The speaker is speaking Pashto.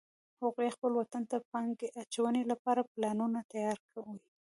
هغوی خپل وطن ته د پانګې اچونې لپاره پلانونه تیار وی